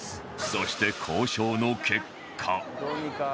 そして交渉の結果